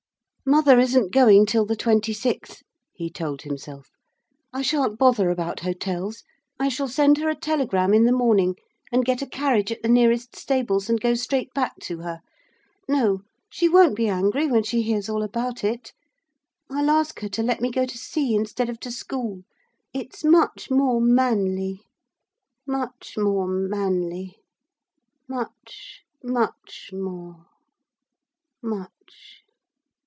'Mother isn't going till the twenty sixth,' he told himself. 'I sha'n't bother about hotels. I shall send her a telegram in the morning, and get a carriage at the nearest stables and go straight back to her. No, she won't be angry when she hears all about it. I'll ask her to let me go to sea instead of to school. It's much more manly. Much more manly ... much much more, much.'